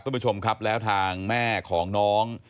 คุณผู้ชมครับแล้วทางแม่ของน้อง